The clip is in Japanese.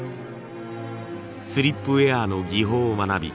スリップウェアの技法を学び